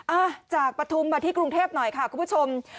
อ่ะจากปฐุมมาที่กรุงเทพหน่อยค่ะคุณผู้ชม